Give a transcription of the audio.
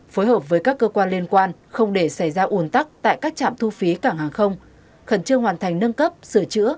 phối hợp với các cơ quan liên quan không để xảy ra ủn tắc tại các trạm thu phí cảng hàng không khẩn trương hoàn thành nâng cấp sửa chữa